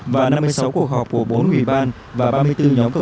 và năm mươi sáu cuộc họp của bốn ủy ban và ba mươi bốn nhóm công tác chuyên ngành